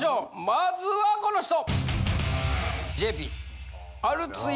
まずはこの人。